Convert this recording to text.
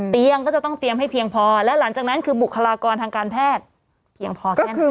เตียงก็จะต้องเตรียมให้เพียงพอและหลังจากนั้นคือบุคลากรทางการแพทย์เพียงพอแค่ไหน